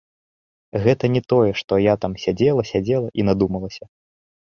Гэта не тое што я там сядзела, сядзела і надумалася.